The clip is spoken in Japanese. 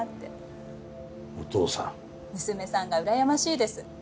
娘さんがうらやましいです。